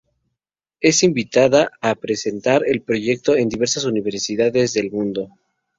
Es invitada a presentar el proyecto en diversas universidades del mundo.